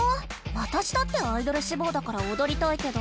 わたしだってアイドルしぼうだからおどりたいけど。